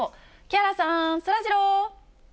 木原さん、そらジロー。